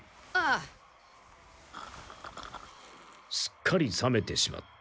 すっかり冷めてしまった。